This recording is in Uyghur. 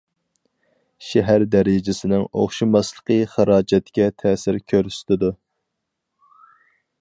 شەھەر دەرىجىسىنىڭ ئوخشىماسلىقى خىراجەتكە تەسىر كۆرسىتىدۇ.